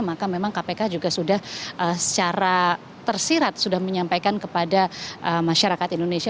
maka memang kpk juga sudah secara tersirat sudah menyampaikan kepada masyarakat indonesia